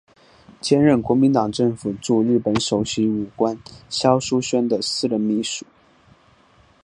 兼任国民党政府驻日本首席武官肖叔宣的私人秘书。